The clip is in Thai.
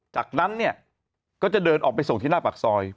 จากนั้นเนี่ยก็จะเดินออกไปส่งที่หน้าปากซอย